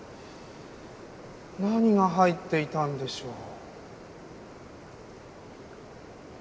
何が入っていたんでしょう？